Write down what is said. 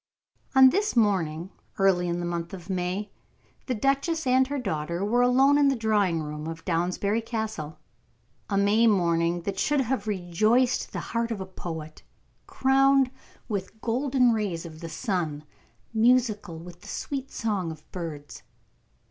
On this morning, early in the month of May, the duchess and her daughter were alone in the drawing room of Downsbury Castle; a May morning that should have rejoiced the heart of a poet crowned with golden rays of the sun, musical with the sweet song of birds.